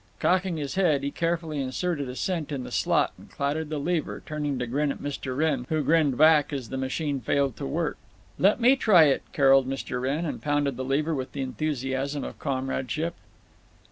Cocking his head, he carefully inserted a cent in the slot and clattered the lever, turning to grin at Mr. Wrenn, who grinned back as the machine failed to work. "Let me try it," caroled Mr. Wrenn, and pounded the lever with the enthusiasm of comradeship.